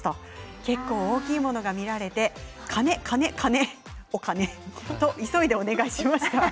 結構大きいものが見られて金、金、金とお金、と急いでお願いしました。